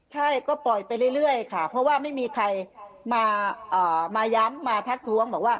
ใช่ก็ปล่อยไปเรื่อยค่ะเพราะว่าไม่มีใครมาย้ำมาทักท้วงบอกว่า